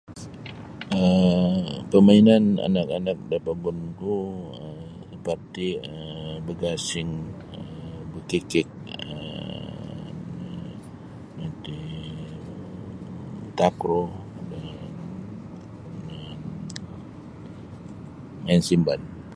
um pamainan anak-anak da pogunku um separti' um bagasing um bakikik um nu iti takru um main main simban.